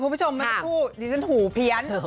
คุณผู้ชมมันพูดดิฉันหูเพี้ยน